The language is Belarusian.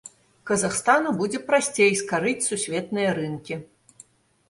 Казахстану будзе прасцей скарыць сусветныя рынкі.